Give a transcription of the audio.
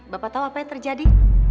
bapak tahu apa yang terjadi